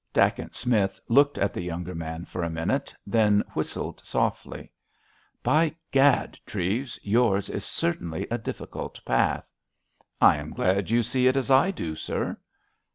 Dacent Smith looked at the younger man for a minute, then whistled softly. "By gad, Treves, yours is certainly a difficult path." "I am glad you see it as I do, sir."